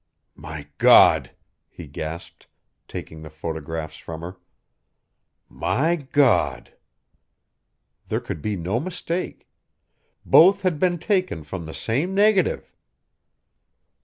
"My God!" he gasped, taking the photographs from her. "My God!" There could be no mistake. Both had been taken from the same negative!